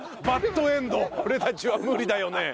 「俺たちは無理だよね」。